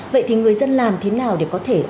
vậy thì người dân làm thế nào để có thể